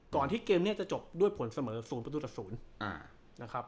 ที่เกมนี้จะจบด้วยผลเสมอ๐ประตูต่อ๐นะครับ